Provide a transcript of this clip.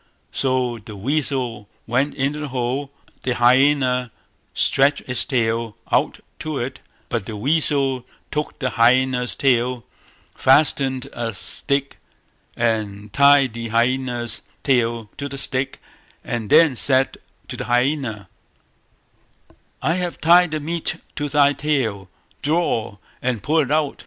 So the weasel went into the hole, the hyaena stretched its tail out to it, but the weasel took the hyaena's tail, fastened a stick, and tied the hyaena's tail to the stick, and then said to the hyaena "I have tied the meat to thy tail; draw, and pull it out".